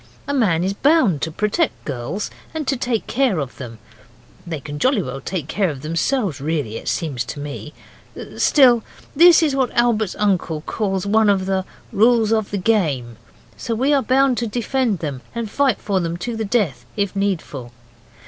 A man is bound to protect girls and take care of them they can jolly well take care of themselves really it seems to me still, this is what Albert's uncle calls one of the 'rules of the game', so we are bound to defend them and fight for them to the death, if needful.